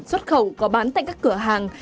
xuất khẩu có bán tại các cửa hàng